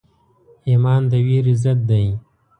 ایمان د ویرې ضد دی.